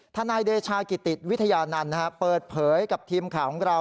นายเดชากิติวิทยานันต์เปิดเผยกับทีมข่าวของเรา